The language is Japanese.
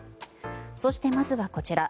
そして、まずはこちら。